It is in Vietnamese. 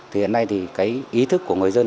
thì hiện nay thì cái ý thức của người dân